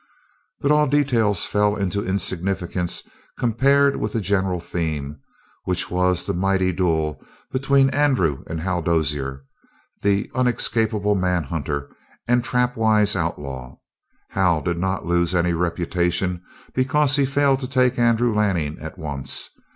But all details fell into insignificance compared with the general theme, which was the mighty duel between Andrew and Hal Dozier the unescapable manhunter and the trapwise outlaw. Hal did not lose any reputation because he failed to take Andrew Lanning at once.